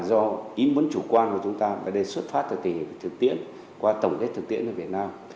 cái việc đó cho ý muốn chủ quan của chúng ta và đây xuất phát từ tỉ hệ thực tiễn qua tổng kết thực tiễn ở việt nam